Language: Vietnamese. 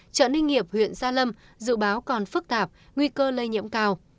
trận đinh nghiệp huyện gia lâm dự báo còn phức tạp nguy cơ lây nhiễm cao